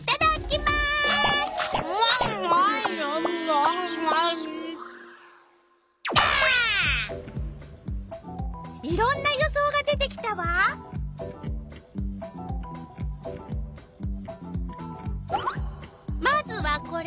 まずはこれ。